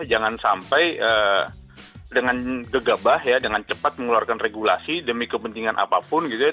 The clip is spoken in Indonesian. jangan sampai dengan gegabah ya dengan cepat mengeluarkan regulasi demi kepentingan apapun gitu ya